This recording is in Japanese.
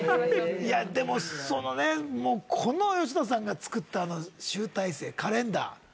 でもそのねこの吉野さんが作ったあの集大成カレンダー。